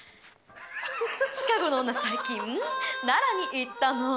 シカゴの女、最近、奈良に行ったの。